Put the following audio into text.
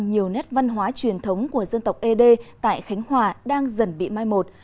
nhiều người dân tộc ấn độ tại khánh hòa đang dần bị mai một